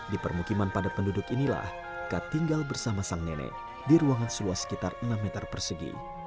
di permukiman padat penduduk inilah kak tinggal bersama sang nenek di ruangan seluas sekitar enam meter persegi